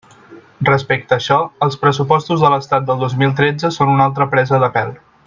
Respecte a això, els pressupostos de l'Estat del dos mil tretze són una altra presa de pèl.